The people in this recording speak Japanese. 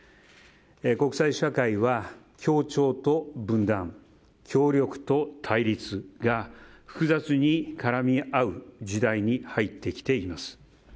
国際社会は協調と分断、協力と対立が複雑に絡み合う時代に入ってきています。